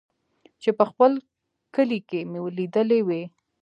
چې په خپل کلي کښې مې ليدلې وې.